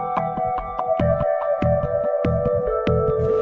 มันเป็นแบบที่สุดท้ายแต่มันเป็นแบบที่สุดท้าย